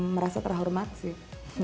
merasa terhormat sih